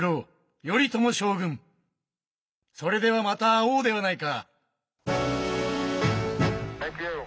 それではまた会おうではないか。